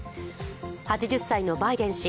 ８０歳のバイデン氏。